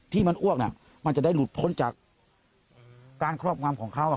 ที่มันอ้วกน่ะมันจะได้หลุดพ้นจากการครอบความของเขาอ่ะครับ